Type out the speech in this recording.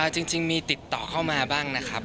จริงมีติดต่อเข้ามาบ้างนะครับ